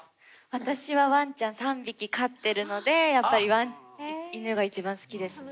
私はワンちゃん３匹飼ってるのでやっぱり犬が一番好きですね。